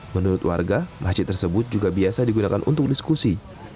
menurut warga masjid tersebut juga biasa digunakan untuk diskusi